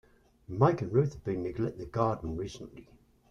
Mike and Ruth have been neglecting the garden recently.